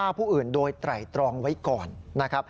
ฆ่าผู้อื่นโดยไตร่ตรองไว้ก่อน